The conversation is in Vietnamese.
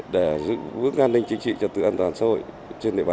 để giữ bước an ninh chính trị cho tựa an toàn xã hội trên địa bàn